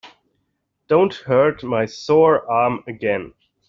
Don't hurt my sore arm again.